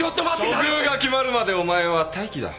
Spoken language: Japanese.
処遇が決まるまでお前は待機だ。